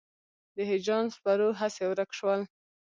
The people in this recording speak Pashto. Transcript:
د هجران سپرو هسې ورک شول.